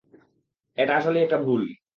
এটা আসলেই একটা ভুল।